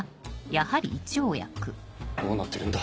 どうなってるんだ？